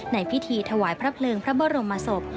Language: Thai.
ในพิธีถวายพระเพลิงพระบรมศพ